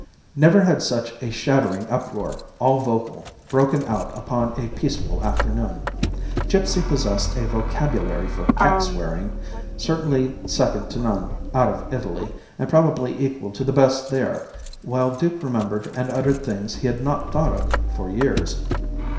Never had such a shattering uproar, all vocal, broken out upon a peaceful afternoon. Gipsy possessed a vocabulary for cat swearing certainly second to none out of Italy, and probably equal to the best there, while Duke remembered and uttered things he had not thought of for years.